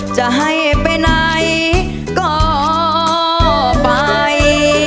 จะให้ไปไหนก็ไป